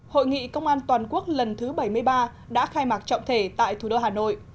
hội nghị công an toàn quốc lần thứ bảy mươi ba đã khai mạc trọng thể tại thủ đô hà nội